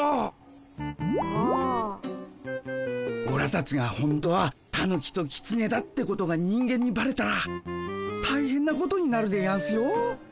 オラたちがほんとはたぬきときつねだってことが人間にばれたらたいへんなことになるでやんすよ。